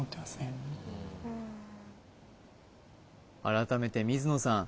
改めて水野さん